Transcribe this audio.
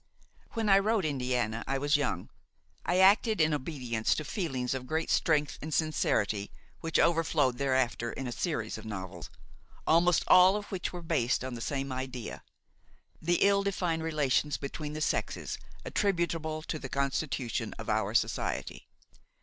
When I wrote Indiana, I was young; I acted in obedience to feelings of great strength and sincerity which overflowed thereafter in a series of novels, almost all of which were based on the same idea: the ill defined relations between the sexes, attributable to the constitution of our society.